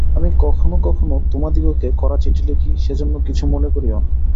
আমি কখনও কখনও তোমাদিগকে কড়া চিঠি লিখি, সেজন্য কিছু মনে করিও না।